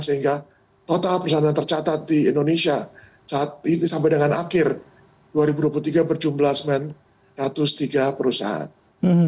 sehingga total perusahaan yang tercatat di indonesia saat ini sampai dengan akhir dua ribu dua puluh tiga berjumlah sembilan ratus tiga perusahaan